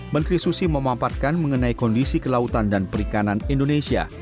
menteri susi memampatkan mengenai kondisi kelautan dan perikanan indonesia